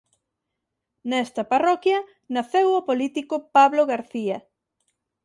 Nesta parroquia naceu o político Pablo García.